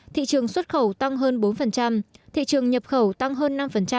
thị trường xuất khẩu tăng hơn bốn thị trường nhập khẩu tăng hơn năm